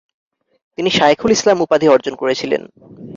তিনি 'শায়খুল ইসলাম' উপাধি অর্জন করেছিলেন ।